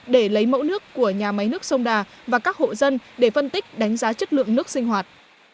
để lấy mẫu nước của nhà máy nước sông đà và các hộ dân để phân tích đánh giá chất lượng nước sinh hoạt